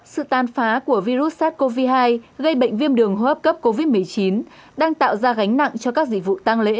sự tàn phá của virus sars cov hai gây bệnh viêm đường hô hấp cấp covid một mươi chín đang tạo ra gánh nặng cho các dịch vụ tăng lễ